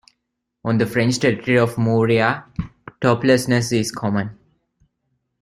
On the French territory of Moorea, toplessness is common.